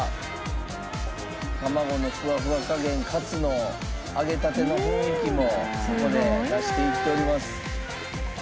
卵のフワフワ加減カツの揚げたての雰囲気もここで出していっております。